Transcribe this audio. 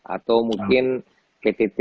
atau mungkin ptt